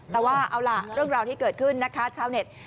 แต่ว่าเอาล่ะเรื่องราวที่เกิดขึ้นนะคะชาวเน็ต